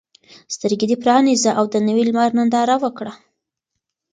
سترګې دې پرانیزه او د نوي لمر ننداره وکړه.